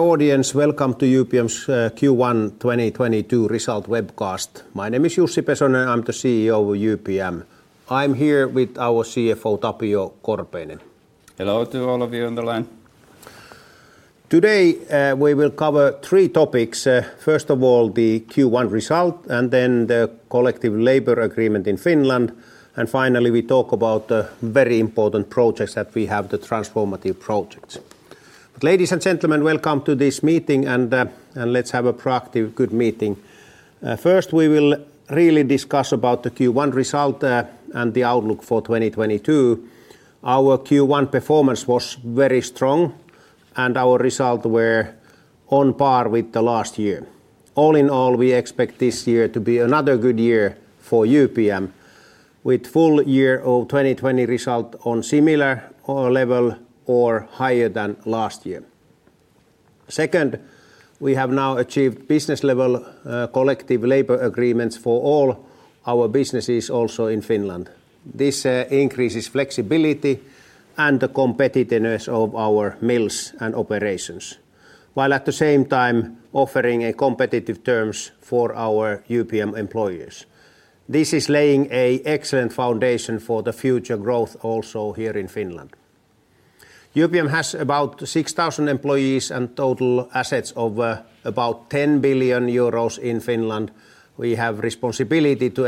Audience, welcome to UPM's first quarter 2022 result webcast. My name is Jussi Pesonen, I'm the CEO of UPM. I'm here with our CFO, Tapio Korpeinen. Hello to all of you on the line. Today, we will cover three topics. First of all, the first quarter result, and then the collective labor agreement in Finland, and finally we talk about the very important projects that we have, the transformative projects. Ladies and gentlemen, welcome to this meeting and let's have a productive, good meeting. First we will really discuss about the first quarter result, and the outlook for 2022. Our first quarter performance was very strong, and our result were on par with the last year. All in all, we expect this year to be another good year for UPM, with full year of 2021 result on similar or level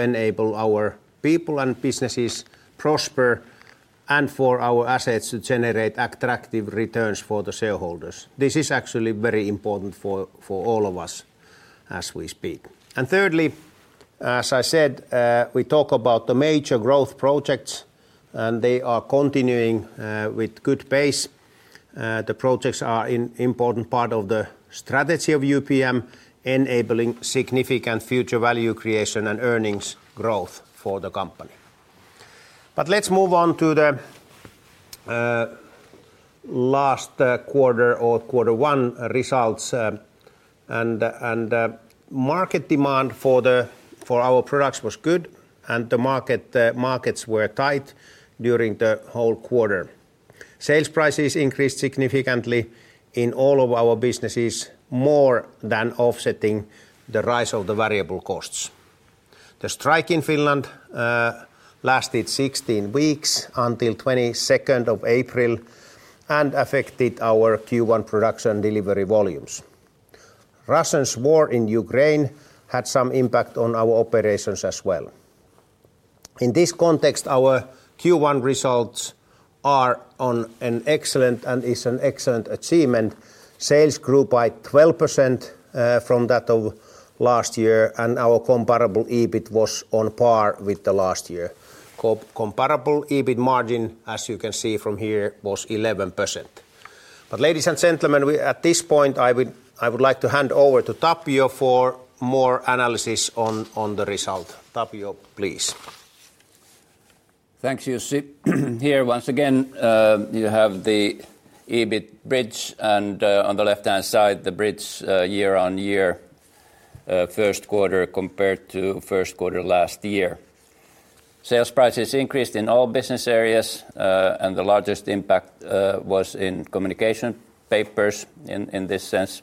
or higher than last year. Second, we have now achieved business-level, collective labor agreements for all our businesses, also in Finland. This increases flexibility and the competitiveness of our mills and operations, while at the same time offering competitive terms for our UPM employees. This Thanks, Jussi. Here once again, you have the EBIT bridge and on the left-hand side, the bridge year on year, first quarter compared to first quarter last year. Sales prices increased in all business areas, and the largest impact was in Communication Papers in this sense.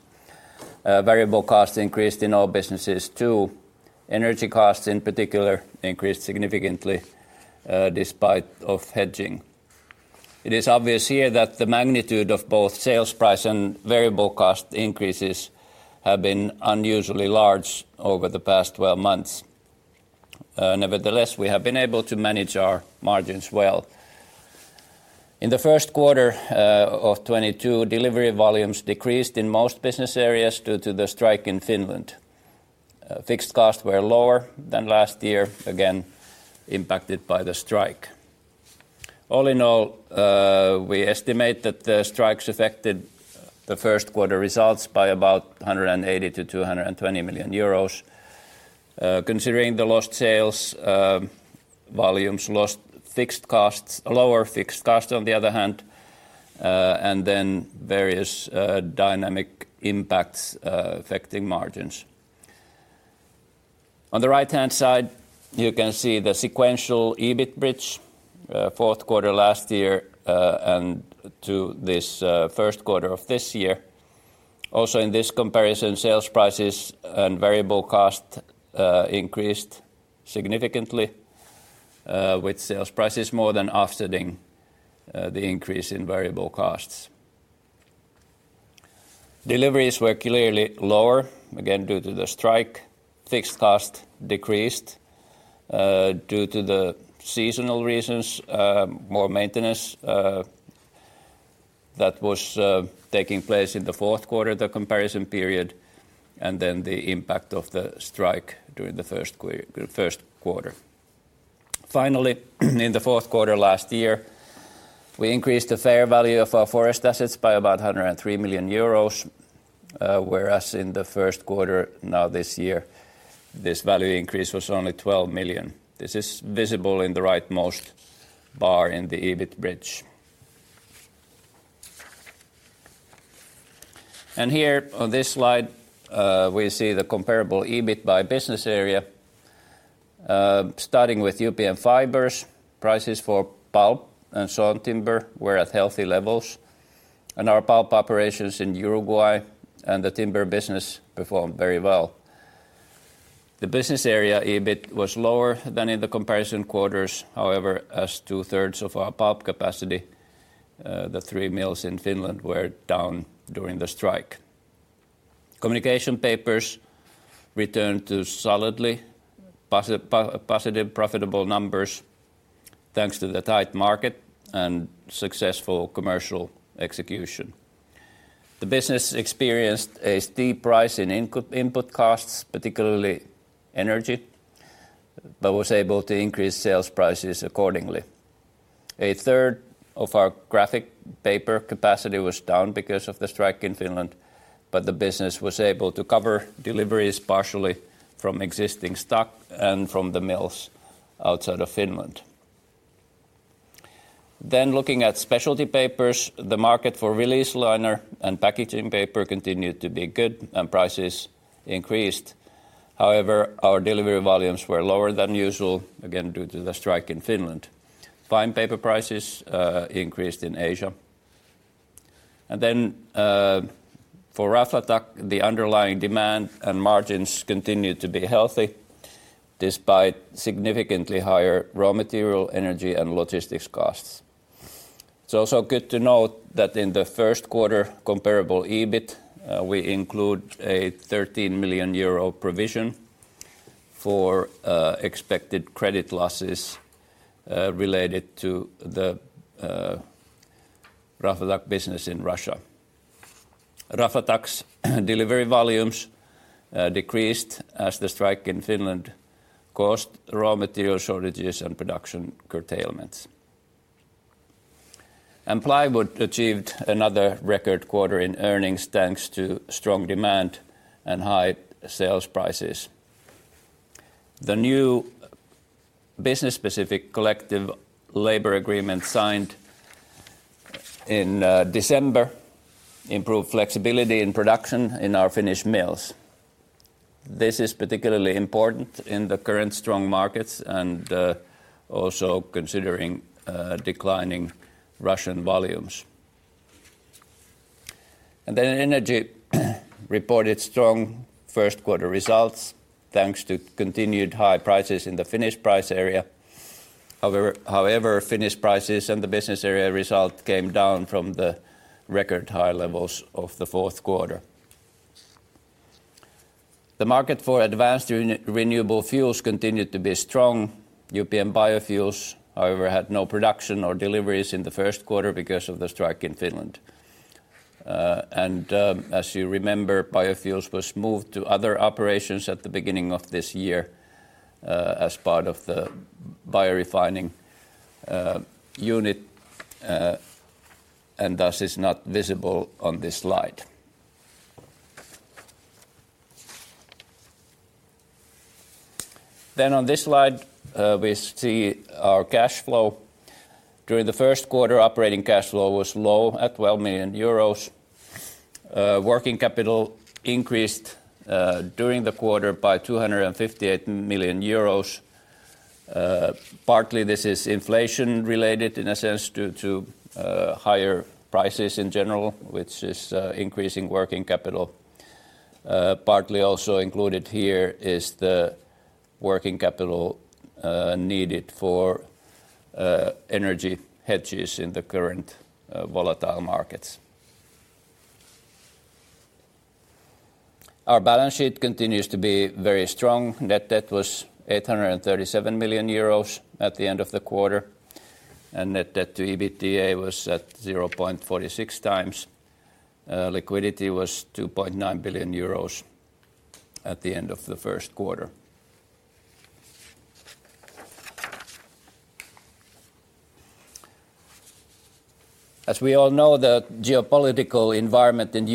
Variable cost increased in all businesses, too. Energy costs in particular increased significantly despite of hedging. It is obvious here that the magnitude of both sales price and variable cost increases have been unusually large over the past 12 months. Nevertheless, we have been able to manage our margins well. In the first quarter of 2022, delivery volumes decreased in most business areas due to the strike in Finland. Fixed costs were lower than last year, again impacted by the strike. All in all, we estimate that the strikes affected the first quarter results by about 180 million-220 million euros, considering the lost sales, volumes lost, fixed costs, lower fixed cost on the other hand, and then various dynamic impacts affecting margins. On the right-hand side you can see the sequential EBIT bridge, fourth quarter last year, and to this first quarter of this year. Also in this comparison, sales prices and variable cost increased significantly, with sales prices more than offsetting the increase in variable costs. Deliveries were clearly lower, again due to the strike. Fixed cost decreased due to the seasonal reasons, more maintenance that was taking place in the fourth quarter, the comparison period, and then the impact of the strike during the first quarter. Finally, in the fourth quarter last year, we increased the fair value of our forest assets by about 103 million euros, whereas in the first quarter, now this year, this value increase was only 12 million. This is visible in the right-most bar in the EBIT bridge. Here on this slide, we see the comparable EBIT by business area. Starting with UPM Fibres, prices for pulp and sawn timber were at healthy levels, and our pulp operations in Uruguay and the timber business performed very well. The business area EBIT was lower than in the comparison quarters, however, as two-thirds of our pulp capacity, the three mills in Finland were down during the strike. Communication Papers returned to solidly positive profitable numbers thanks to the tight market and successful commercial execution. The business experienced a steep rise in input costs, particularly energy, but was able to increase sales prices accordingly. A third of our graphic paper capacity was down because of the strike in Finland, but the business was able to cover deliveries partially from existing stock and from the mills outside of Finland. Looking at Specialty Papers, the market for release liner and packaging paper continued to be good and prices increased. However, our delivery volumes were lower than usual, again, due to the strike in Finland. Fine paper prices increased in Asia. For Raflatac, the underlying demand and margins continued to be healthy despite significantly higher raw material, energy, and logistics costs. It's also good to note that in the first quarter comparable EBIT, we include a EUR 13 million provision for expected credit losses related to the Raflatac business in Russia. Raflatac's delivery volumes decreased as the strike in Finland caused raw material shortages and production curtailments. Plywood achieved another record quarter in earnings thanks to strong demand and high sales prices. The new business-specific collective labor agreement signed in December improved flexibility in production in our Finnish mills. This is particularly important in the current strong markets and also considering declining Russian volumes. Energy reported strong first quarter results thanks to continued high prices in the Finnish price area. However, Finnish prices and the business area result came down from the record high levels of the fourth quarter. The market for advanced renewable fuels continued to be strong. UPM Biofuels, however, had no production or deliveries in the first quarter because of the strike in Finland. As you remember, Biofuels was moved to other operations at the beginning of this year, as part of the biorefining unit, and thus is not visible on this slide. On this slide, we see our cash flow. During the first quarter, operating cash flow was low at 12 million euros. Working capital increased during the quarter by 258 million euros. Partly this is inflation-related in a sense due to higher prices in general, which is increasing working capital. Partly also included here is the working capital needed for energy hedges in the current volatile markets. Our balance sheet continues to be very strong. Net debt was 837 million euros at the end of the quarter, and net debt to EBITDA was at 0.46x. Liquidity was EUR 2.9 billion at the end of the first quarter. As we all know, the geopolitical environment in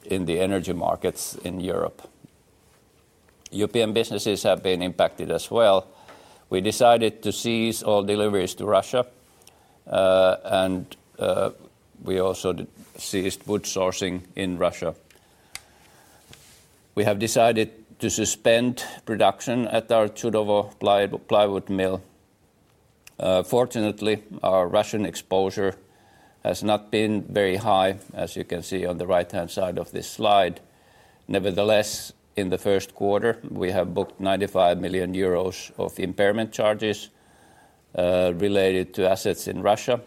Europe has changed dramatically after Russia's attack on Ukraine. Our primary concern are the people suffering from the war, and we have started delivering humanitarian and material aid to Ukraine. The war and the related sanctions and counter-sanctions have significantly increased uncertainties related to European and world economy, also, in the energy markets in Europe. UPM businesses have been impacted as well. We decided to cease all deliveries to Russia, and we also ceased wood sourcing in Russia. We have decided to suspend production at our Chudovo Plywood Mill. Fortunately, our Russian exposure has not been very high, as you can see on the right-hand side of this slide. Nevertheless, in the first quarter, we have booked EUR 95 million of impairment charges related to assets in Russia.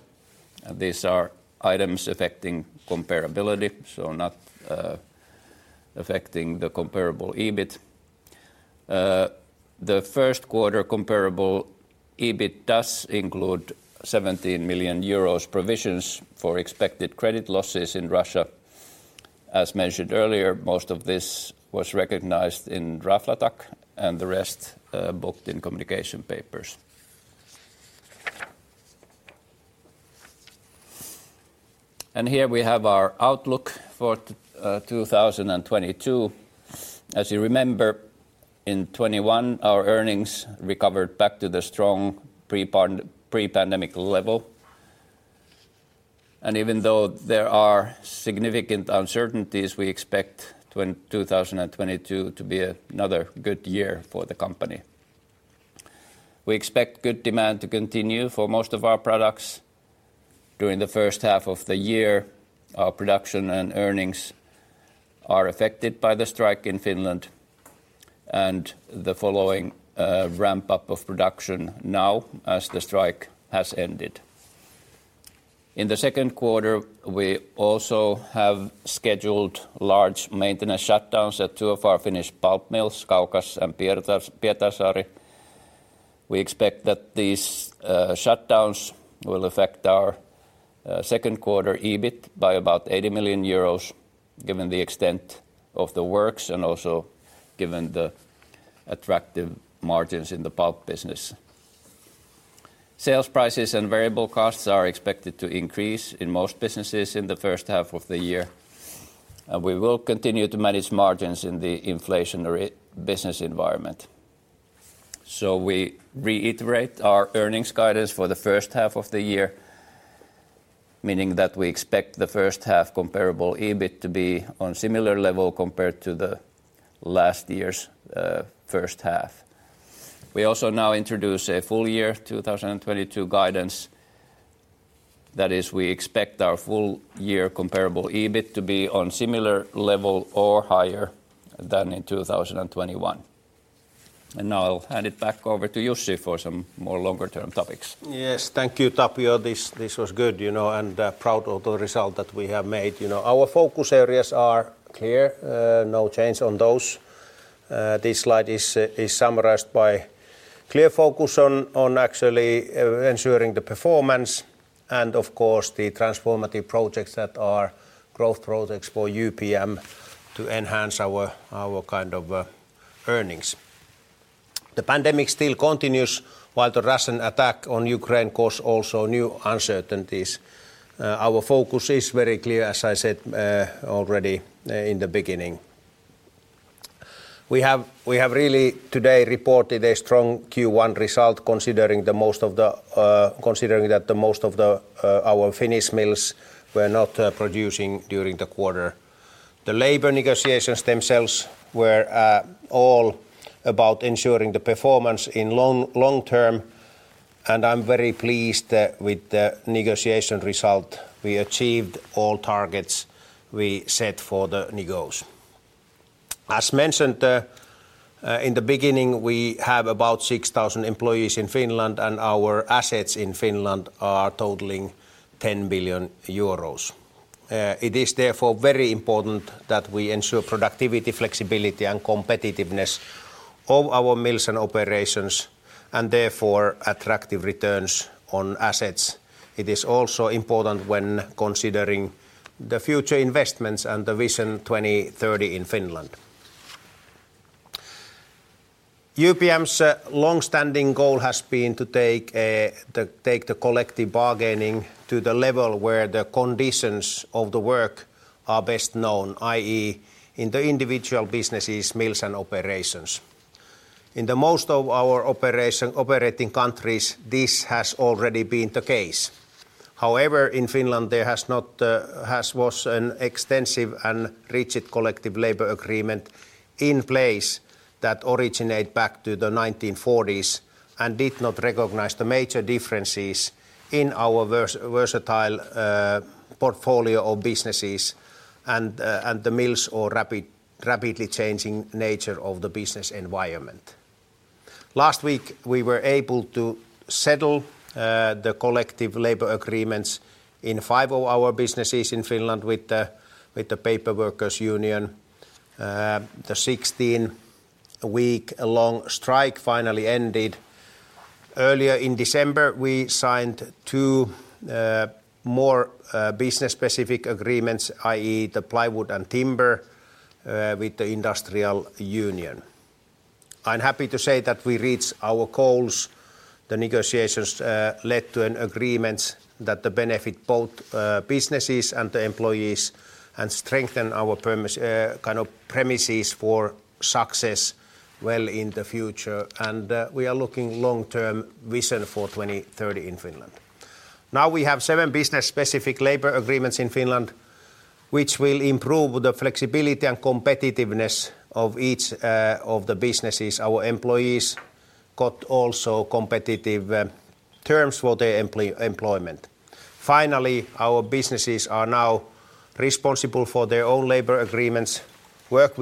These are items affecting comparability, so not affecting the comparable EBIT. The first quarter comparable EBIT does include 17 million euros provisions for expected credit losses in Russia. As mentioned earlier, most of this was recognized in Raflatac and the rest booked in Communication Papers. Here we have our outlook for 2022. As you remember, in 2021, our earnings recovered back to the strong pre-pandemic level. Even though there are significant uncertainties, we expect 2022 to be another good year for the company. We expect good demand to continue for most of our products. During the first half of the year, our production and earnings are affected by the strike in Finland and the following, ramp-up of production now as the strike has ended. In the second quarter, we also have scheduled large maintenance shutdowns at two of our Finnish pulp mills, Kaukas and Pietarsaari. We expect that these, shutdowns will affect our, second quarter EBIT by about 80 million euros given the extent of the works and also given the attractive margins in the pulp business. Sales prices and variable costs are expected to increase in most businesses in the first half of the year, and we will continue to manage margins in the inflationary business environment. We reiterate our earnings guidance for the first half of the year, meaning that we expect the first half comparable EBIT to be on similar level compared to the last year's first half. We also now introduce a full year 2022 guidance. That is, we expect our full year comparable EBIT to be on similar level or higher than in 2021. Now I'll hand it back over to Jussi for some more longer-term topics. Yes. Thank you, Tapio. This was good, you know, and proud of the result that we have made. You know, our focus areas are clear, no change on those. This slide is summarized by clear focus on actually ensuring the performance and of course the transformative projects that are growth projects for UPM to enhance our kind of earnings. The pandemic still continues, while the Russian attack on Ukraine cause also new uncertainties. Our focus is very clear, as I said, already, in the beginning. We have really today reported a strong first quarter result considering that most of our Finnish mills were not producing during the quarter. The labor negotiations themselves were all about ensuring the performance in long term, and I'm very pleased with the negotiation result. We achieved all targets we set for the negos. As mentioned in the beginning, we have about 6,000 employees in Finland, and our assets in Finland are totaling EUR 10 billion. It is therefore very important that we ensure productivity, flexibility, and competitiveness of our mills and operations, and therefore attractive returns on assets. It is also important when considering the future investments and the Vision 2030 in Finland. UPM's long-standing goal has been to take the collective bargaining to the level where the conditions of the work are best known, i.e., in the individual businesses, mills, and operations. In the most of our operating countries, this has already been the case. However, in Finland, there has not been an extensive and rigid collective labor agreement in place that originated back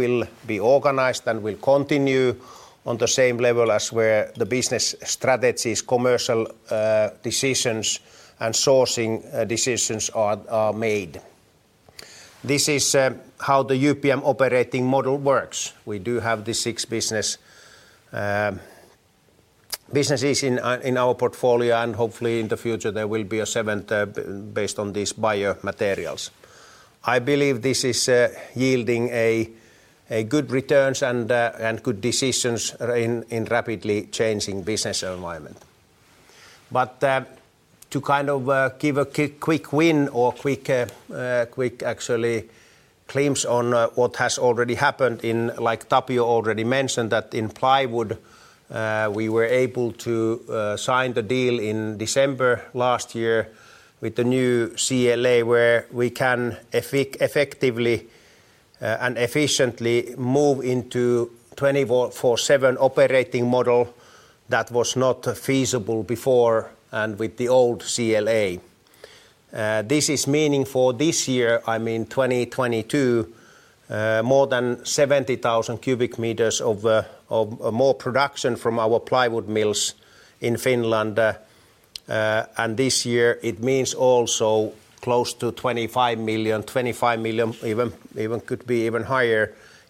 and efficiently move into 24/7 operating model that was not feasible before and with the old CLA. This means for this year, I mean 2022, more than 70,000 cubic meters of more production from our plywood mills in Finland. And this year it means also close to 25 million, even could be higher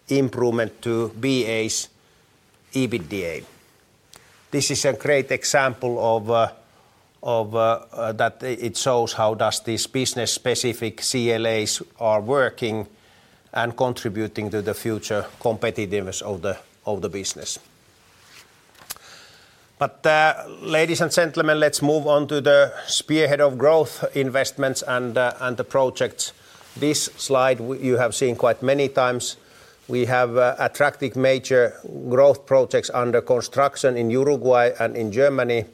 improvement to BA's EBITDA. This is a great example of that it shows how these business-specific CLAs are working and contributing to the future competitiveness of the business. Ladies and gentlemen, let's move on to the spearhead of growth investments and the projects. This slide you have seen quite many times. We have attractive major growth projects under construction in Uruguay and in Germany,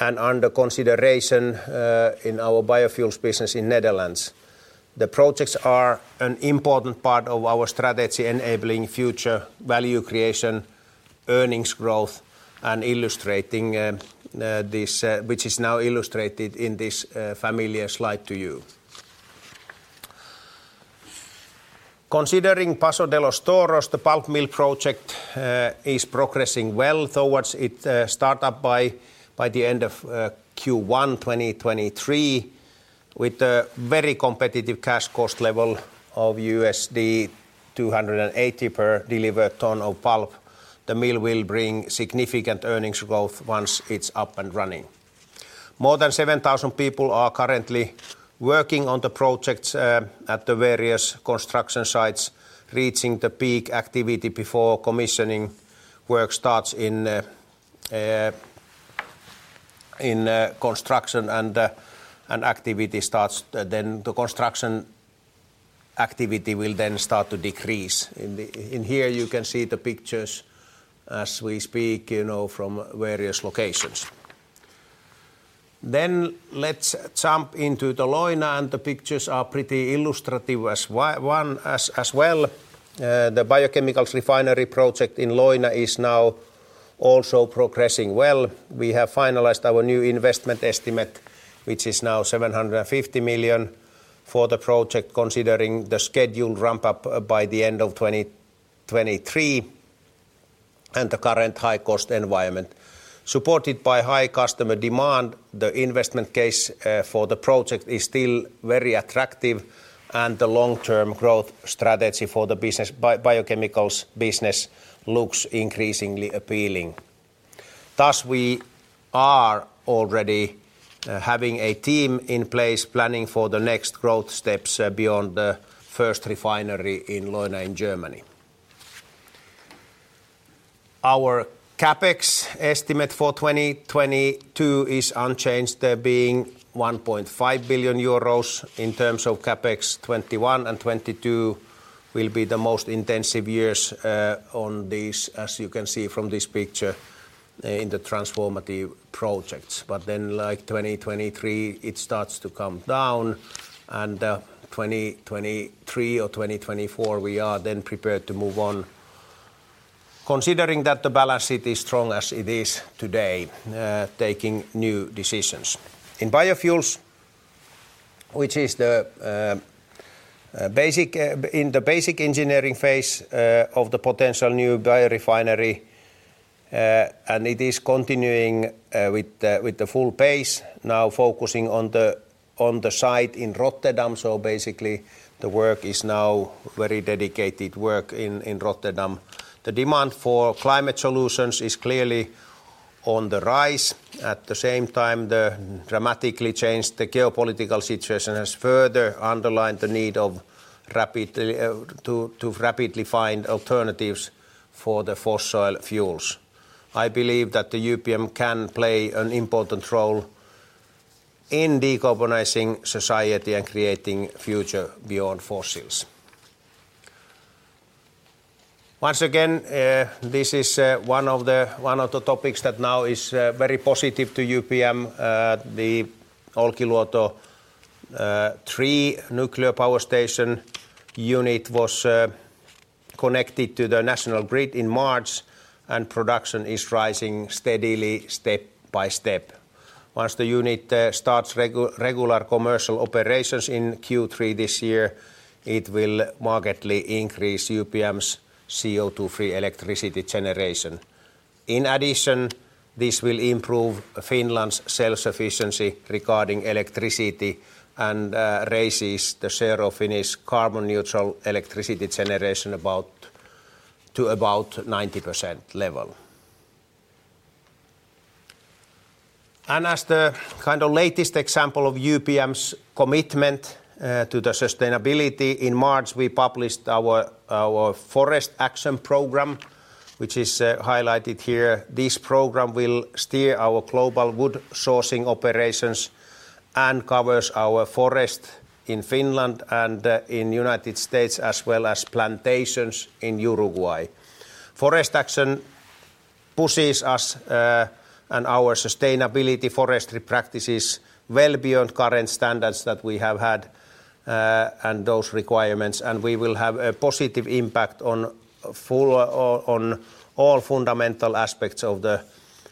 and under consideration in our biofuels business in Netherlands. The projects are an important part of our strategy enabling future value creation, earnings growth, and illustrating this which is now illustrated in this familiar slide to you. Considering Paso de los Toros, the pulp mill project, is progressing well towards its start up by the end of first quarter 2023 with a very competitive cash cost level of $280 per delivered ton of pulp. The mill will bring significant earnings growth once it's up and prepared to move on considering that the balance sheet is strong as it is today, taking new decisions. In biofuels, which is the basic engineering phase of the potential new bio-refinery, and it is continuing with the full pace, now focusing on the site in Rotterdam. Basically, the work is now very dedicated work in Rotterdam. The demand for climate solutions is clearly on the rise. At the same time, the dramatically changed geopolitical situation has further underlined the need to rapidly find alternatives for the fossil fuels. I believe that the UPM can play an important role in decarbonizing society and creating future beyond fossils. Once again, this is one of the topics that now is very positive to UPM. The Olkiluoto three nuclear power station unit was connected to the national grid in March, and production is rising steadily step by step. Once the unit starts regular commercial operations in third quarter this year, it will markedly increase UPM's CO2-free electricity generation. In addition, this will improve Finland's self-sufficiency regarding electricity and raises the share of Finnish carbon neutral electricity generation to about 90% level. As the kind of latest example of UPM's commitment to sustainability, in March we published our Forest Action program, which is highlighted here. This program will steer our global wood sourcing operations and covers our forest in Finland and in United States, as well as plantations in Uruguay. Forest action pushes us and our sustainable forestry practices well beyond current standards that we have had and those requirements, and we will have a positive impact on all fundamental aspects of the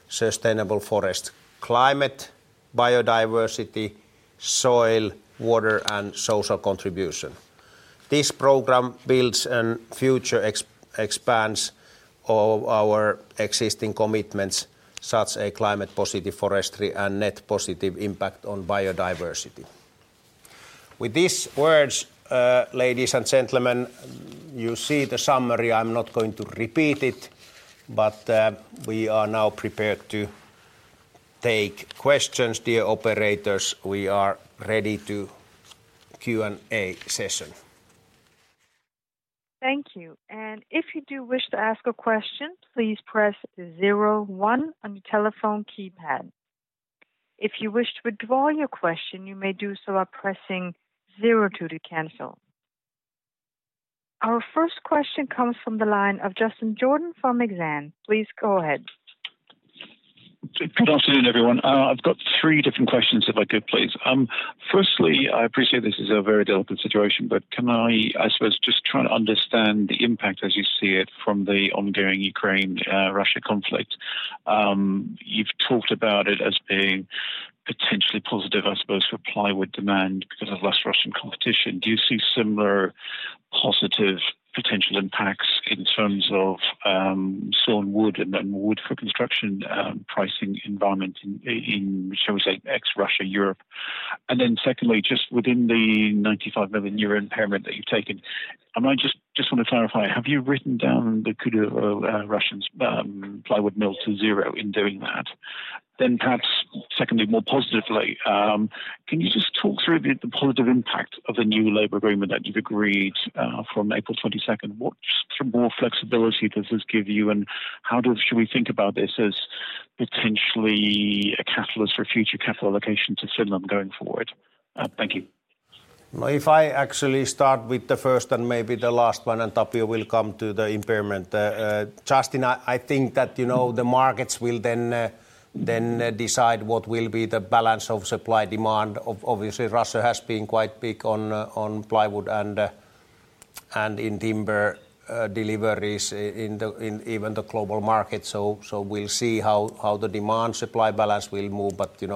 sustainable forest, climate, biodiversity, soil, water, and social contribution. This program builds on and further expands all our existing commitments, such as climate positive forestry and net positive impact on biodiversity. With these words, ladies and gentlemen, you see the summary. I'm not going to repeat it, but we are now prepared to take questions. Dear operators, we are ready to Q&A session. Thank you. Our first question comes from the line of Justin Jordan from Exane. Please go ahead. Good afternoon, everyone. I've got three different questions if I could, please. Firstly, I appreciate this is a very delicate situation, but can I suppose, just try to understand the impact as you see it from the ongoing Ukraine-Russia conflict? You've talked about it as being potentially positive, I suppose, for plywood demand because of less Russian competition. Do you see similar positive potential impacts in terms of sawn wood and then wood for construction pricing environment in, shall we say, ex-Russia Europe? Secondly, just within the 95 million euro impairment that you've taken, I just want to clarify, have you written down the Chudovo, Russia plywood mill to zero in doing that? Perhaps secondly, more positively, can you just talk through the positive impact of the new labor agreement that you've agreed from April 22nd? What sort of more flexibility does this give you,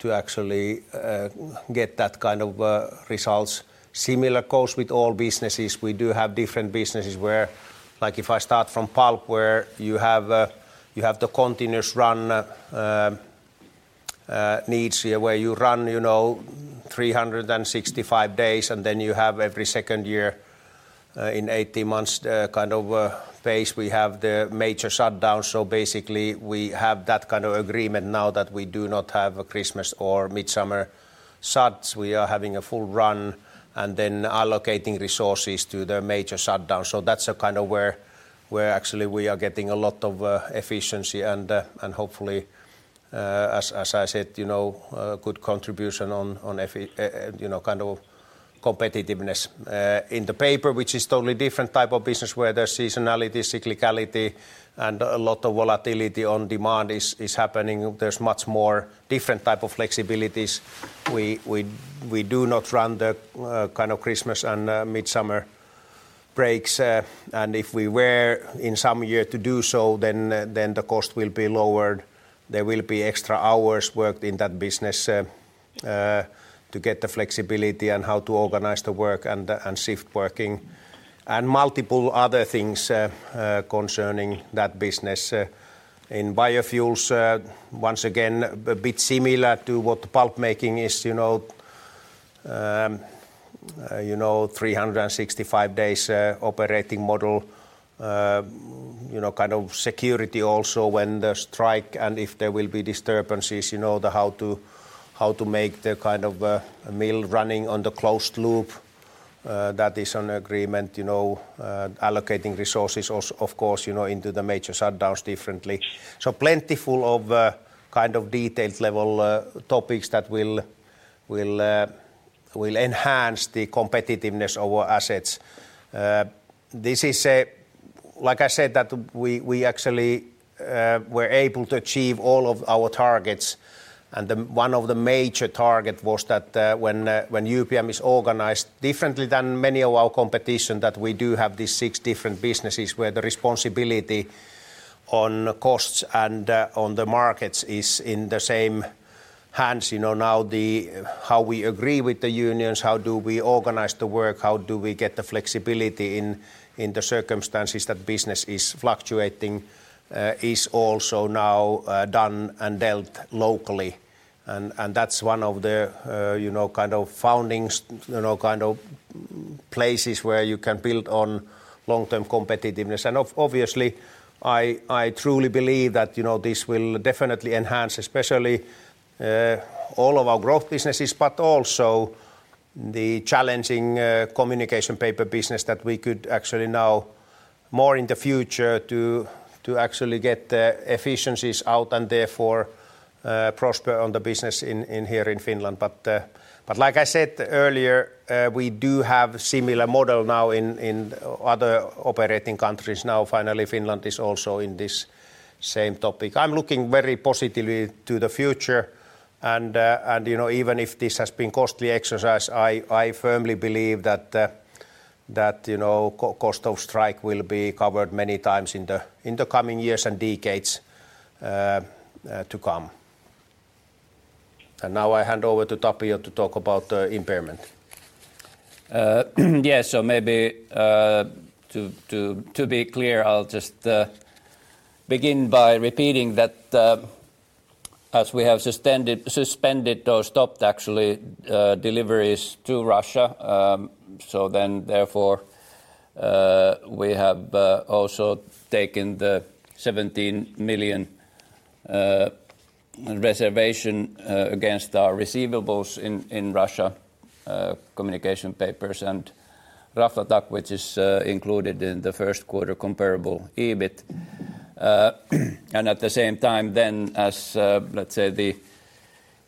to actually get that kind of results. Similar goes with all businesses. We do have different businesses where like if I start from pulp, where you have the continuous run needs here, where you run, you know, 365 days, and then you have every second year an eight-month kind of phase, we have the major shutdown. Basically, we have that kind of agreement now that we do not have a Christmas or Midsummer shuts. We are having a full run and then allocating resources to the major shutdown. That's a kind of where actually we are getting a lot of efficiency and hopefully, as I said, you know, good contribution on, you know, kind of competitiveness. In the paper, which is totally different type of business, where there's seasonality, cyclicality, and a lot of volatility on demand is happening. There's much more different type of flexibilities. We do not run the kind of Christmas and Mid-summer breaks. And if we were in some year to do so, then the cost will be lowered. There will be extra hours worked in that business to get the flexibility on how to organize the work and shift working, and multiple other things concerning that business. In biofuels, once again, a bit similar to what the pulp making is, you know, 365 days operating model. You know, kind of security also when there's strike and if there will be disturbances, you know, how to make the kind of mill running on the closed loop, that is on agreement, you know. Allocating resources of course, you know, into the major shutdowns differently. Plentiful of kind of detailed level topics that will enhance the competitiveness of our assets. Like I said that we actually were able to achieve all of our targets. One of the major target was that when UPM is organized differently than many of our competition, that we do have these six different businesses where the responsibility on costs and on the markets is in the same hands, you know. Now how we agree with the unions, how do we organize the work, how do we get the flexibility in the circumstances that business is fluctuating is also now done and dealt locally. That's one of the, you know, kind of foundations, you know, kind of places where you can build on long-term competitiveness. Obviously, I truly believe that, you know, this will definitely enhance especially all of our growth businesses, but also the challenging Communication Papers business that we could actually now more in the future to actually get efficiencies out and therefore prosper on the business in here in Finland. Like I said earlier, we do have similar model now in other operating countries. Now, finally Finland is also in this same boat. I'm looking very positively to the future and, you know, even if this has been costly exercise, I firmly believe that, you know, cost of strike will be covered many times in the coming years and decades to come. Now I hand over to Tapio to talk about impairment. Maybe to be clear, I'll just begin by repeating that, as we have suspended or stopped actually deliveries to Russia, therefore we have also taken the 17 million reservation against our receivables in Russia, Communication Papers and Raflatac, which is included in the first quarter comparable EBIT. And at the same time as let's say the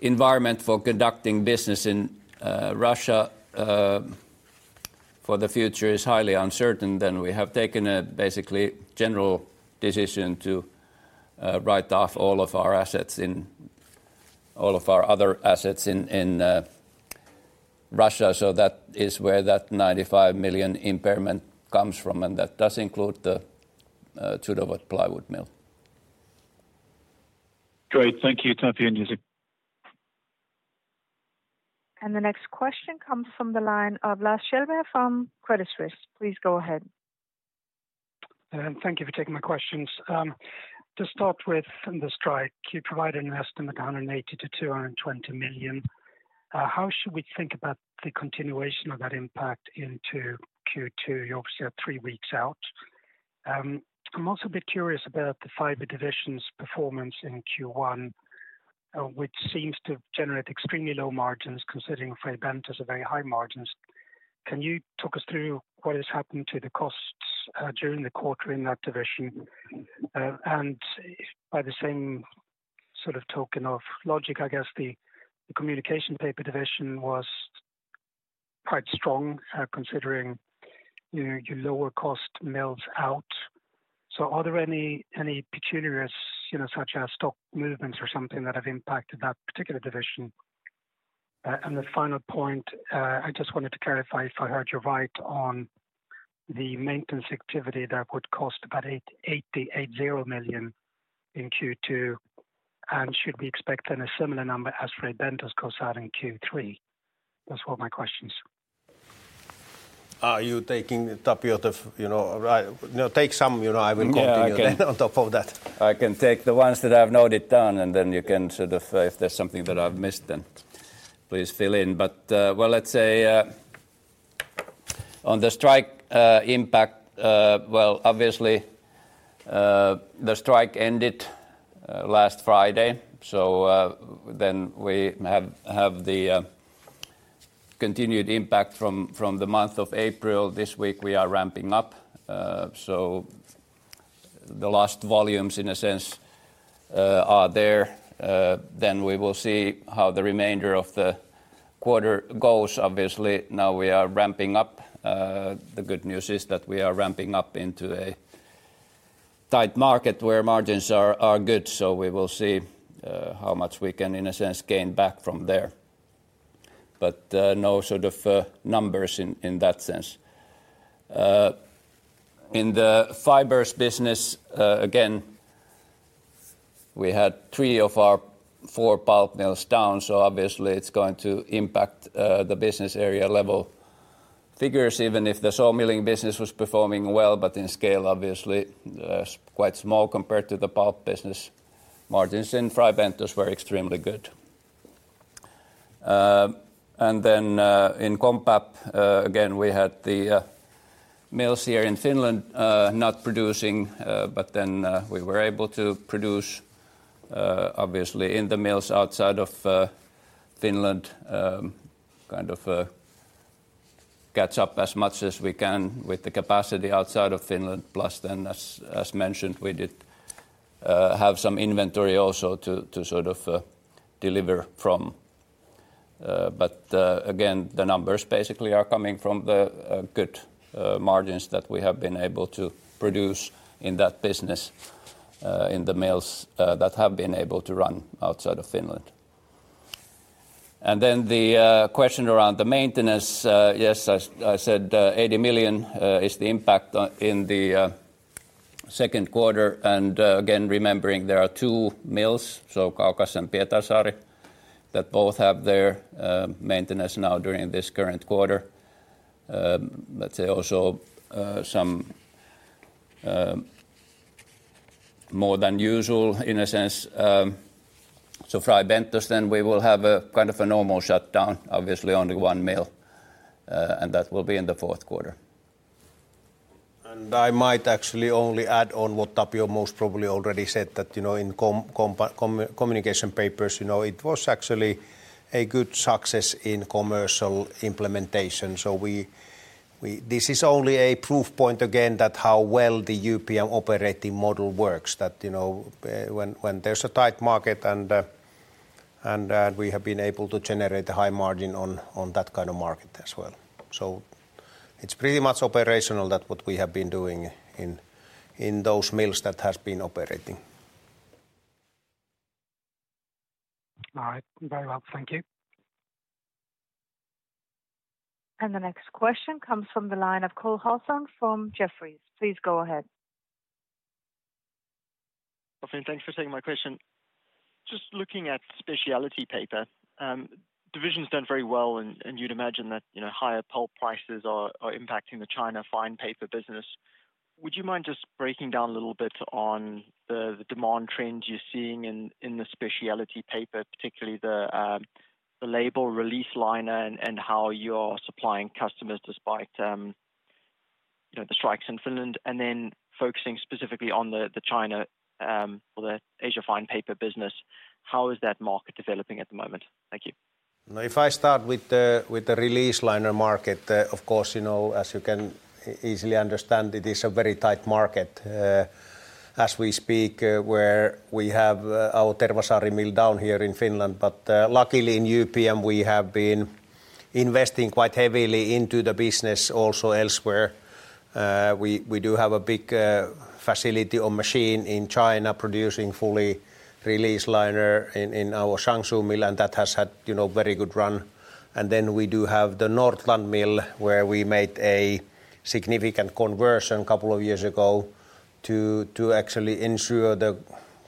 environment for conducting business in Russia for the future is highly uncertain, then we have taken a basically general decision to write off all of our other assets in Russia. That is where that 95 million impairment comes from, and that does include the Chudovo plywood mill. Great. Thank you, Tapio and Jussi. The next question comes from the line of Lars Kjellberg from Credit Suisse. Please go ahead. Thank you for taking my questions. To start with, from the strike, you provided an estimate of 180 million-220 million. How should we think about the continuation of that impact into second quarter? You obviously are three weeks out. I'm also a bit curious about the Fibres division's performance in first quarter, which seems to generate extremely low margins considering Fray Bentos have very high margins. Can you talk us through what has happened to the costs during the quarter in that division? And by the same sort of token of logic, I guess the Communication Papers division was quite strong, considering, you know, you lower cost mills out. Are there any particulars, you know, such as stock movements or something that have impacted that particular division? The final point, I just wanted to clarify if I heard you right on the maintenance activity that would cost about 80 million in second quarter, and should we expect then a similar number as Fray Bentos costs are in third quarter? Those were my questions. Are you taking, Tapio, the, you know? No, take some, you know. I will continue then on top of that. Yeah, I can take the ones that I've noted down, and then you can sort of, if there's something that I've missed, then please fill in. Well, let's say, on the strike impact, well, obviously, the strike ended last Friday. Then we have the continued impact from the month of April. This week we are ramping-up. The last volumes in a sense are there. Then we will see how the remainder of the quarter goes. Obviously, now we are ramping up. The good news is that we are ramping up into a tight market where margins are good. We will see how much we can, in a sense, gain back from there. No sort of numbers in that sense. In the Fibres business, again, we had three of our four pulp mills down, so obviously it's going to impact the business area level figures, even if the sawmilling business was performing well, but in scale, obviously, quite small compared to the pulp business. Margins in Fray Bentos were extremely good. In CommPap, again, we had the mills here in Finland not producing, but then we were able to produce obviously in the mills outside of Finland, kind of catch up as much as we can with the capacity outside of Finland. As mentioned, we did have some inventory also to sort of deliver from. Again, the numbers basically are coming from the good margins that we have been able to produce in that business in the mills that have been able to run outside of Finland. Then the question around the maintenance, yes, as I said, 80 million is the impact in the second quarter, and again, remembering there are two mills, so Kaukas and Pietarsaari, that both have their maintenance now during this current quarter. Let's say also some more than usual in a sense. Fray Bentos then we will have a kind of a normal shutdown, obviously only one mill, and that will be in the fourth quarter. I might actually only add on what Tapio most probably already said that, you know, in Communication Papers, you know, it was actually a good success in commercial implementation. This is only a proof point again that how well the UPM operating model works, that, you know, when there's a tight market and we have been able to generate a high margin on that kind of market as well. It's pretty much operational that what we have been doing in those mills that has been operating. All right. Very well. Thank you. The next question comes from the line of Cole Hathorn from Jefferies. Please go ahead. Cole Hathorn, thanks for taking my question. Just looking at Specialty Papers division's done very well and you'd imagine that, you know, higher pulp prices are impacting the China fine paper business. Would you mind just breaking down a little bit on the demand trends you're seeing in the Specialty Papers, particularly the label release liner and how you're supplying customers despite, you know, the strikes in Finland? Then focusing specifically on the China or the Asia fine paper business, how is that market developing at the moment? Thank you. If I start with the release liner market, of course, you know, as you can easily understand, it is a very tight market, as we speak, where we have our Tervasaari mill down here in Finland. Luckily in UPM, we have been investing quite heavily into the business also elsewhere. We do have a big facility or machine in China producing full release liner in our Jiangsu mill, and that has had, you know, very good run. We do have the Nordland mill, where we made a significant conversion couple of years ago to actually ensure the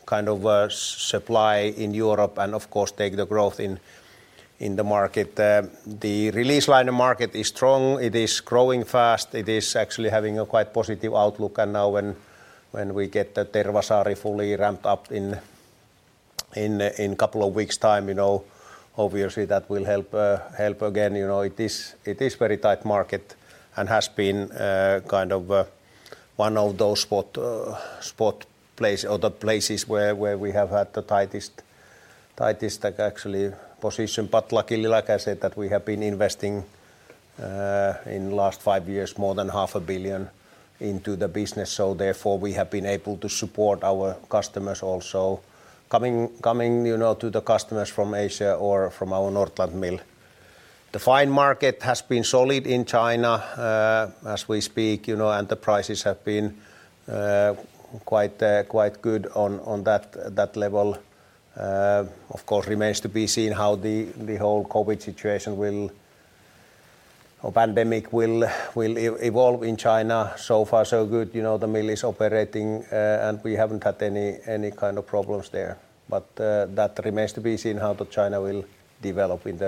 kind of supply in Europe and of course take the growth in the market. The release liner market is strong. It is growing fast. It is actually having a quite positive outlook. Now when we get the Tervasaari fully ramped up in a couple of weeks' time, you know, obviously that will help again. You know, it is very tight market and has been kind of one of those spot places or the places where we have had the tightest position. Luckily, like I said, that we have been investing in last five years, more than half a billion EUR into the business. Therefore, we have been able to support our customers also. Coming to the customers from Asia or from our Nordland mill, you know. The fine market has been solid in China as we speak, you know, and the prices have been quite good on that level. Of course remains to be seen how the whole COVID situation or pandemic will evolve in China. So far so good, you know, the mill is operating, and we haven't had any kind of problems there. That remains to be seen how China will develop in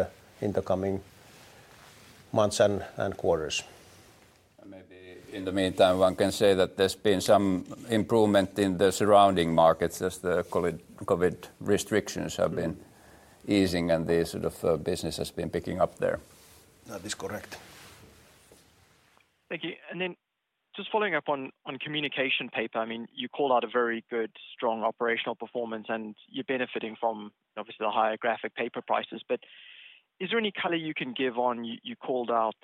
the coming months and quarters. Maybe in the meantime, one can say that there's been some improvement in the surrounding markets as the COVID restrictions have been easing and the sort of business has been picking up there. That is correct. Thank you. Then just following up on Communication Papers, I mean, you called out a very good strong operational performance, and you're benefiting from obviously the higher graphic paper prices. But is there any color you can give on the energy rebates you called out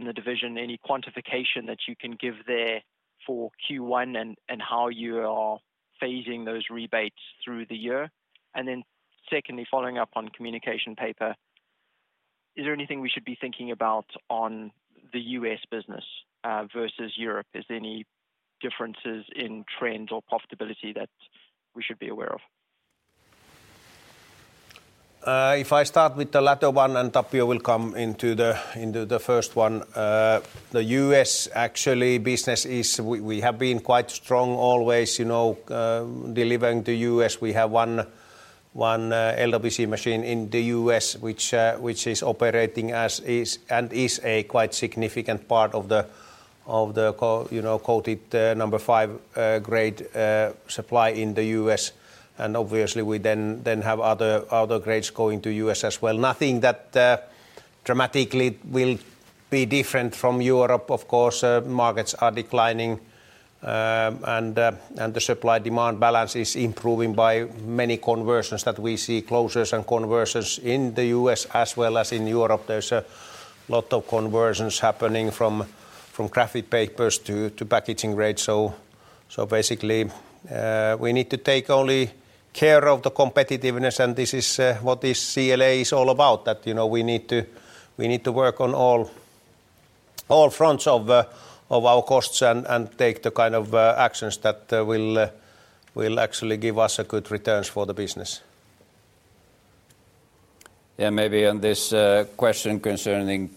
in the division? Any quantification that you can give there for first quarter and how you are phasing those rebates through the year? Then secondly, following up on Communication Papers, is there anything we should be thinking about on the U.S. business versus Europe? Is there any differences in trends or profitability that we should be aware of? If I start with the latter one, and Tapio will come into the first one. The U.S. actually business is we have been quite strong always, you know, delivering to U.S. We have one LWC machine in the U.S. which is operating as is, and is a quite significant part of the coated No. 5 grade supply in the U.S. Obviously we then have other grades going to U.S. as well. Nothing that dramatically will be different from Europe. Of course, markets are declining, and the supply-demand balance is improving by many conversions that we see closures and conversions in the U.S. as well as in Europe. There's a lot of conversions happening from graphic papers to packaging grade. Basically, we need to take only care of the competitiveness, and this is what this CLA is all about that, you know, we need to work on all fronts of our costs and take the kind of actions that will actually give us a good returns for the business. Yeah, maybe on this question concerning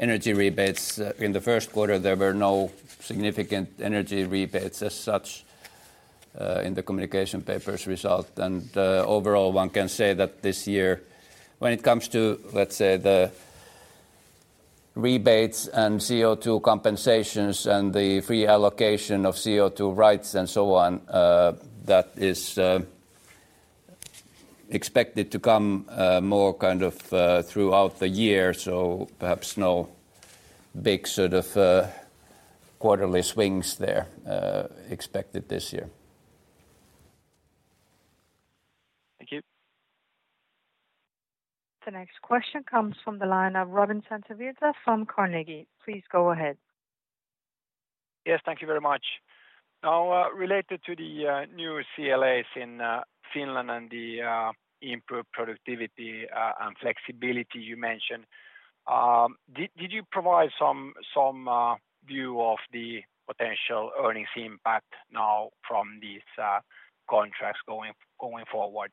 energy rebates. In the first quarter, there were no significant energy rebates as such in the Communication Papers result. Overall, one can say that this year when it comes to, let's say, the rebates and CO2 compensations and the free allocation of CO2 rights and so on, that is expected to come more kind of throughout the year. Perhaps no big sort of quarterly swings there expected this year. Thank you. The next question comes from the line of Robin Santavirta from Carnegie. Please go ahead. Yes. Thank you very much. Now, related to the new CLAs in Finland and the improved productivity and flexibility you mentioned, did you provide some view of the potential earnings impact now from these contracts going forward?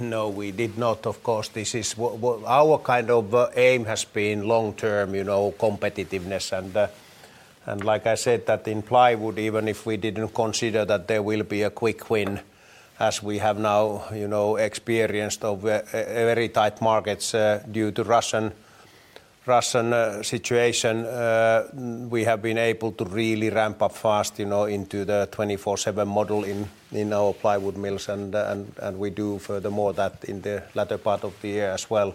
No, we did not. Of course, this is what our kind of aim has been long-term, you know, competitiveness and like I said, that in plywood even if we didn't consider that there will be a quick win, as we have now, you know, experienced a very tight market due to Russian situation, we have been able to really ramp up fast, you know, into the 24/7 model in our plywood mills and we do furthermore that in the latter part of the year as well.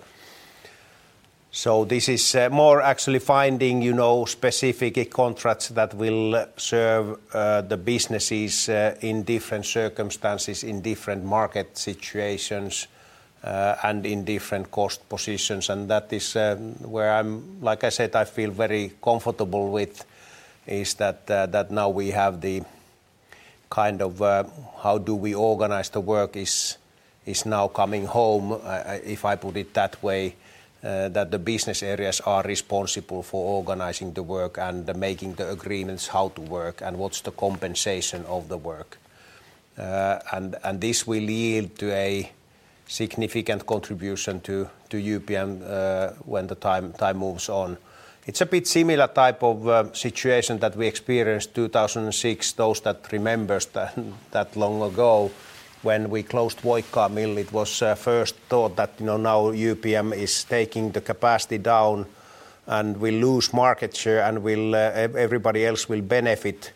This is more actually finding, you know, specific contracts that will serve the businesses in different circumstances, in different market situations, and in different cost positions. That is where I'm. Like I said, I feel very comfortable with that now we have the kind of how we organize the work is now coming home, if I put it that way, that the business areas are responsible for organizing the work and making the agreements how to work and what's the compensation of the work. This will lead to a significant contribution to UPM when the time moves on. It's a bit similar type of situation that we experienced 2006, those that remembers that long ago when we closed Voikkaa Mill. It was first thought that, you know, now UPM is taking the capacity down, and we lose market share, and everybody else will benefit.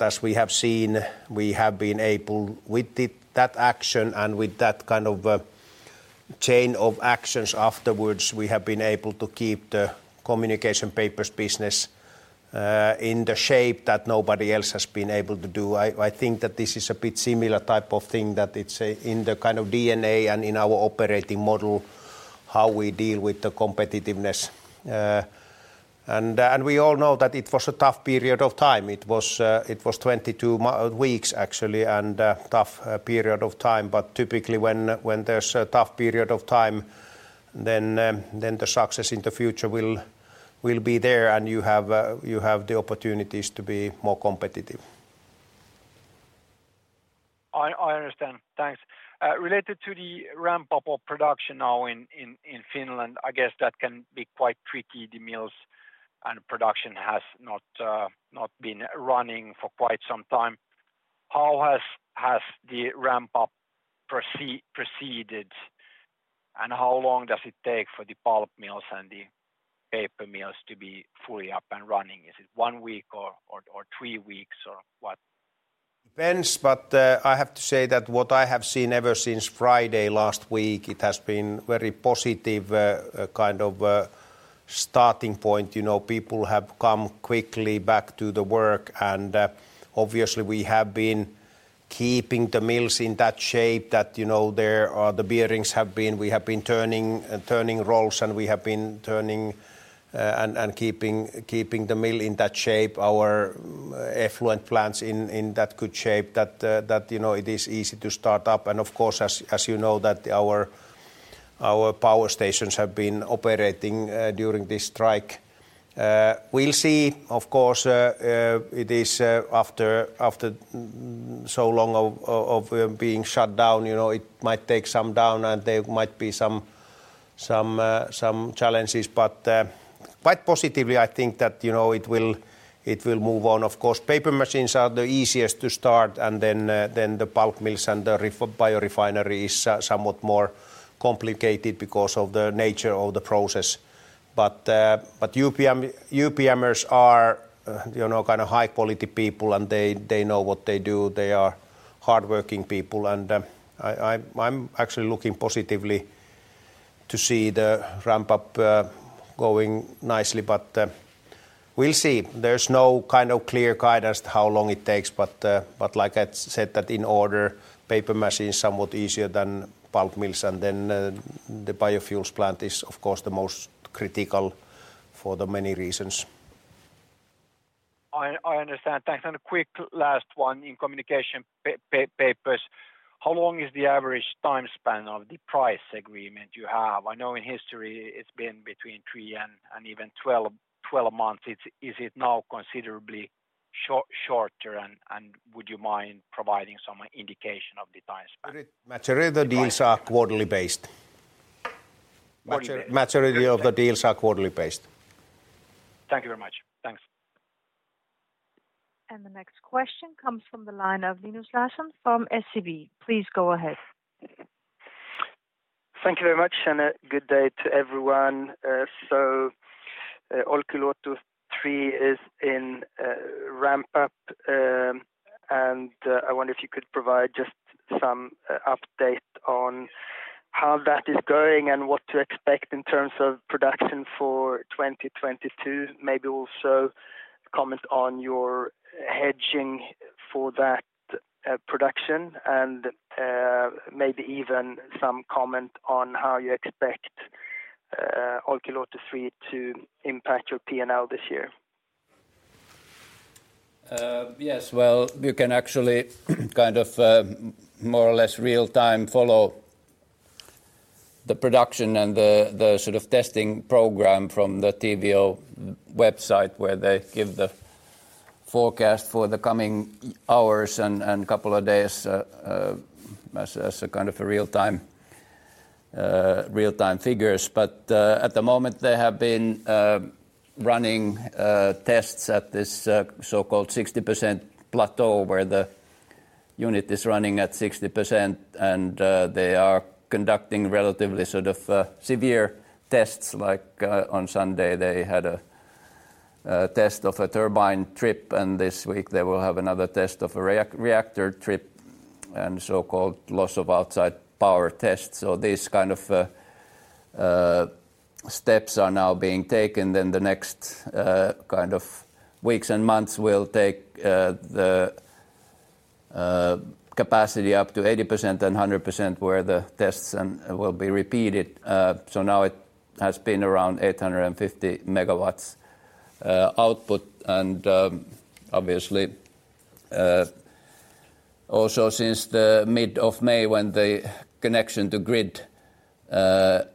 As we have seen, we have been able. With that action and with that kind of a chain of actions afterwards, we have been able to keep the Communication Papers business in the shape that nobody else has been able to do. I think that this is a bit similar type of thing that it's in the kind of DNA and in our operating model how we deal with the competitiveness. And we all know that it was a tough period of time. It was 22 weeks actually and a tough period of time. Typically when there's a tough period of time then the success in the future will be there, and you have the opportunities to be more competitive. I understand. Thanks. Related to the ramp-up of production now in Finland, I guess that can be quite tricky. The mills and production has not been running for quite some time. How has the ramp-up proceeded, and how long does it take for the pulp mills and the paper mills to be fully up and running? Is it one week or three weeks or what? Depends, but I have to say that what I have seen ever since Friday last week, it has been very positive, kind of starting point. You know, people have come quickly back to the work, and obviously we have been keeping the mills in that shape that, you know, the bearings have been turning rolls, and we have been turning and keeping the mill in that shape, our effluent plants in that good shape that, you know, it is easy to start up. Of course, as you know that our power stations have been operating during this strike. We'll see. Of course, it is after so long of being shut down, you know, it might take some doing, and there might be some challenges. Quite positively I think that, you know, it will move on. Of course, paper machines are the easiest to start, and then the pulp mills and the bio-refinery is somewhat more complicated because of the nature of the process. UPMers are, you know, kind of high-quality people, and they know what they do. They are hardworking people, and I'm actually looking positively to see the ramp-up going nicely, but we'll see. There's no kind of clear guidance how long it takes but like I said that in order paper machine is somewhat easier than pulp mills, and then the biofuels plant is of course the most critical for the many reasons. I understand. Thanks. A quick last one in Communication Papers. How long is the average time span of the price agreement you have? I know in history it's been between three and even 12 months. Is it now considerably shorter and would you mind providing some indication of the time span? Majority of the deals are quarterly based. Quarterly. Material of the deals are quarterly based. Thank you very much. Thanks. The next question comes from the line of Linus Larsson from SEB. Please go ahead. Thank you very much, and a good day to everyone. Olkiluoto three is in ramp-up, and I wonder if you could provide just some update on how that is going and what to expect in terms of production for 2022. Maybe also comment on your hedging for that production and maybe even some comment on how you expect Olkiluoto three to impact your P&L this year. Yes. Well, you can actually kind of more or less real-time follow the production and the sort of testing program from the TVO website, where they give the forecast for the coming hours and couple of days, as a kind of a real-time figures. At the moment, they have been running tests at this so-called 60% plateau where the unit is running at 60% and they are conducting relatively sort of severe tests. Like, on Sunday they had a test of a turbine trip, and this week they will have another test of a reactor trip and so-called loss of outside power test. These kind of steps are now being taken. The next kind of weeks and months will take the capacity up to 80% then 100%, where the tests will be repeated. Now it has been around 850 MW output. Obviously, also since mid-May, when the connection to grid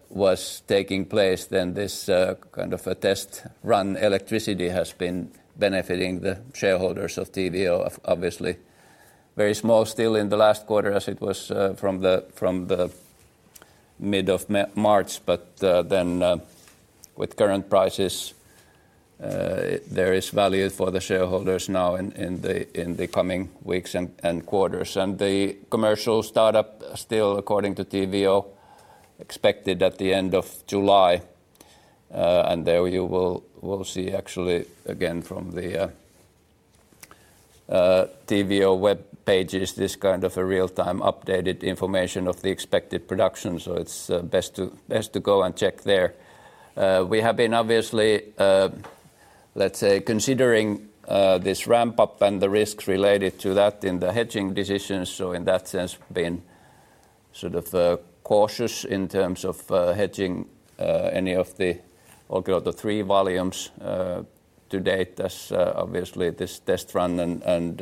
was taking place, then this kind of a test run electricity has been benefiting the shareholders of TVO obviously. Very small still in the last quarter as it was from the mid of March. Then with current prices there is value for the shareholders now in the coming weeks and quarters. The commercial startup still according to TVO expected at the end of July. There you will see actually again from the TVO web pages this kind of a real-time updated information of the expected production. It's best to go and check there. We have been obviously, let's say, considering this ramp-up and the risks related to that in the hedging decisions. In that sense, we have been sort of cautious in terms of hedging any of the Olkiluoto three volumes to date as obviously this test run and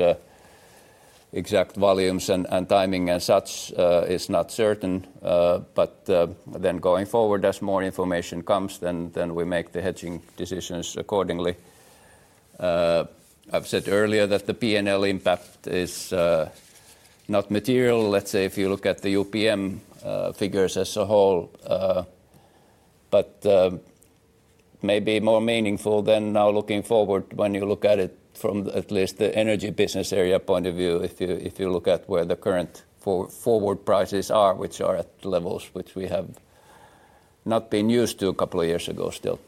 exact volumes and timing and such is not certain. Going forward, as more information comes, then we make the hedging decisions accordingly. I've said earlier that the P&L impact is not material, let's say, if you look at the UPM figures as a whole. Maybe more meaningful than now looking forward, when you look at it from at least the Energy business area point of view, if you look at where the current forward prices are, which are at levels which we have not been used to a couple of years ago still.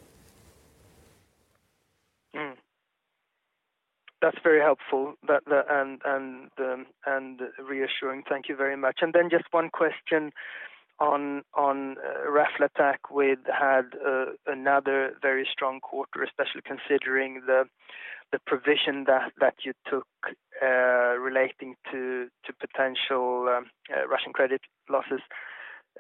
That's very helpful and reassuring. Thank you very much. Just one question on Raflatac had another very strong quarter, especially considering the provision that you took relating to potential Russian credit losses.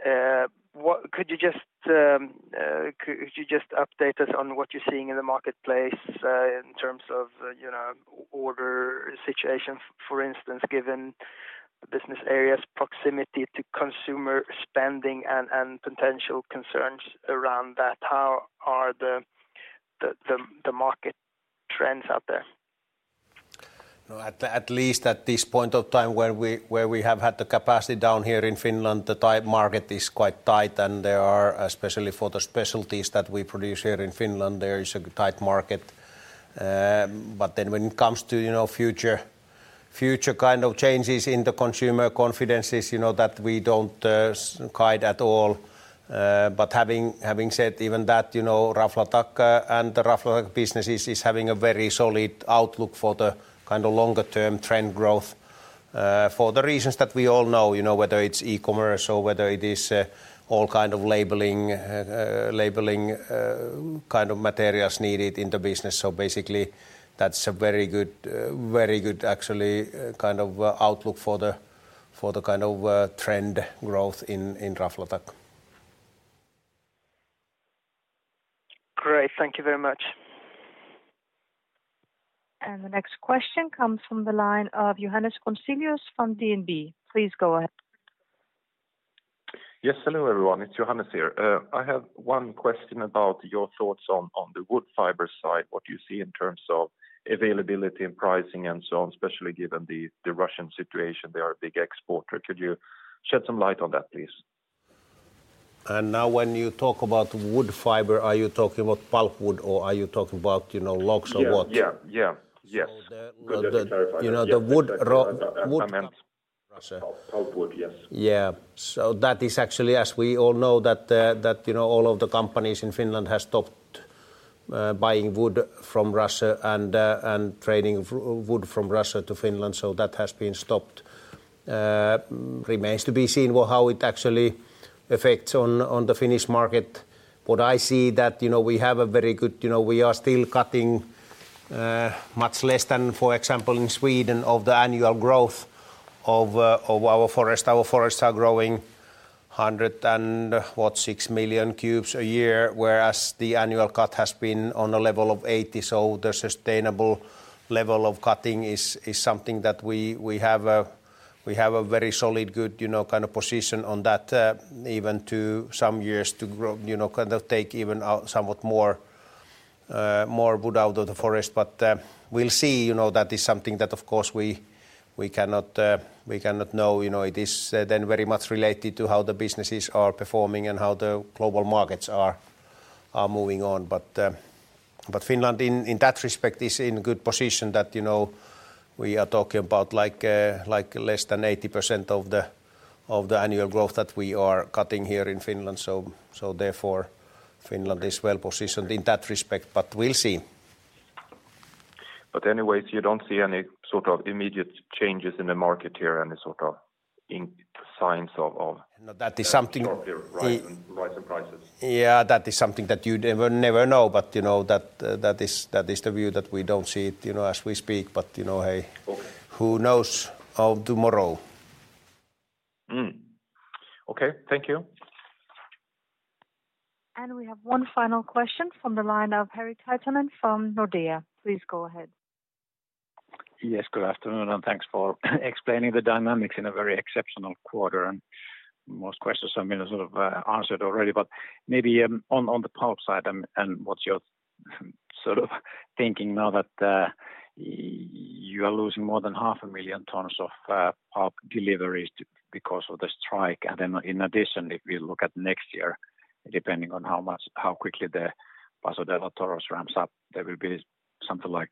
Could you just update us on what you're seeing in the marketplace in terms of, you know, order situations, for instance, given the business area's proximity to consumer spending and potential concerns around that? How are the market trends out there? No, at least at this point of time where we have had the capacity down here in Finland, the tight market is quite tight and there are, especially for the specialties that we produce here in Finland, there is a tight market. But then when it comes to, you know, future kind of changes in the consumer confidences, you know that we don't guide at all. But having said even that, you know, Raflatac and the Raflatac business is having a very solid outlook for the kind of longer term trend growth, for the reasons that we all know, you know, whether it's e-commerce or whether it is, all kind of labeling kind of materials needed in the business. Basically that's a very good actually kind of outlook for the kind of trend growth in Raflatac. Great. Thank you very much. The next question comes from the line of Johannes Grunselius from DNB. Please go ahead. Yes, hello, everyone. It's Johannes here. I have one question about your thoughts on the wood fiber side. What do you see in terms of availability and pricing and so on, especially given the Russian situation; they are a big exporter. Could you shed some light on that, please? Now when you talk about wood fiber, are you talking about pulp wood or are you talking about, you know, logs or what? we are talking about like less than 80% of the annual growth that we are cutting here in Finland. Therefore Finland is well positioned in that respect, but we'll see. Anyways, you don't see any sort of immediate changes in the market here. No, that is something. Rise in prices. Yeah, that is something that you never know, but, you know, that is the view that we don't see it, you know, as we speak, but, you know, hey. Okay. Who knows of tomorrow? Okay. Thank you. We have one final question from the line of Harri Taittonen from Nordea. Please go ahead. Yes, good afternoon, and thanks for explaining the dynamics in a very exceptional quarter. Most questions have been sort of answered already. Maybe on the pulp side and what's your sort of thinking now that you are losing more than 500,000 tons of pulp deliveries because of the strike. Then in addition, if we look at next year, depending on how much, how quickly the Paso de los Toros ramps-up, there will be something like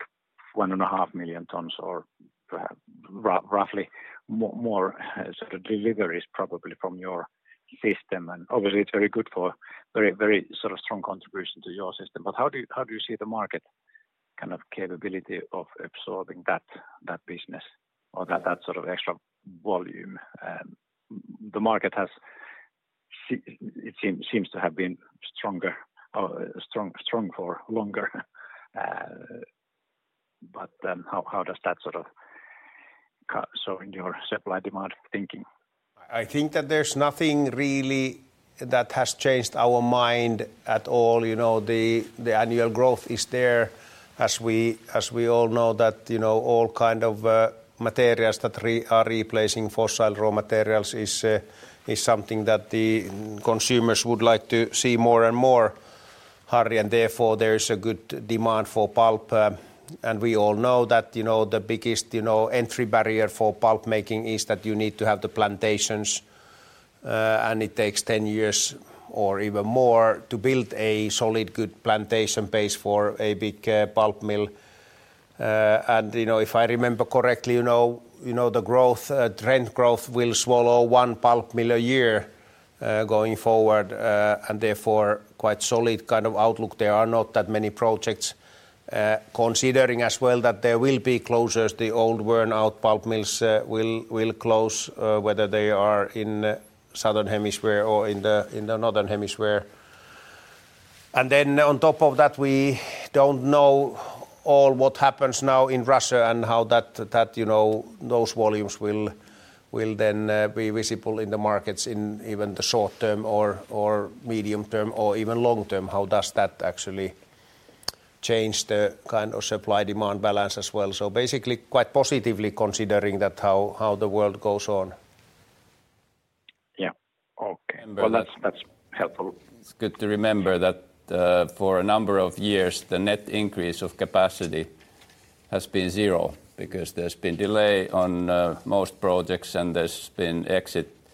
1.5 million tons, or perhaps roughly more deliveries probably from your system. Obviously it's very good for very strong contribution to your system. How do you see the market kind of capability of absorbing that business or that sort of extra volume? The market seems to have been strong for longer. How does that sort of cut in your supply-demand thinking. I think that there's nothing really that has changed our mind at all. You know, the annual growth is there as we all know that, you know, all kind of materials that are replacing fossil raw materials is something that the consumers would like to see more and more, Harry, and therefore there is a good demand for pulp. We all know that, you know, the biggest entry barrier for pulp making is that you need to have the plantations, and it takes 10 years or even more to build a solid, good plantation base for a big pulp mill. You know, if I remember correctly, you know, the growth trend growth will swallow one pulp mill a year going forward, and therefore quite solid kind of outlook. There are not that many projects, considering as well that there will be closures. The old worn-out pulp mills will close, whether they are in southern hemisphere or in the northern hemisphere. Then on top of that, we don't know all what happens now in Russia and how that, you know, those volumes will then be visible in the markets in even the short term or medium term or even long term. How does that actually change the kind of supply-demand balance as well? Basically quite positively considering that how the world goes on. Yeah. Okay. And Well, that's helpful. It's good to remember that, for a number of years, the net increase of capacity has been zero because there's been delay on, most projects and there's been exit all the time.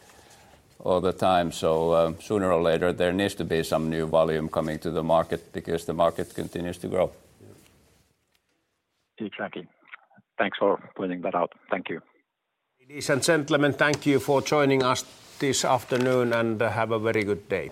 Sooner or later, there needs to be some new volume coming to the market because the market continues to grow. Exactly. Thanks for pointing that out. Thank you. Ladies and gentlemen, thank you for joining us this afternoon, and have a very good day.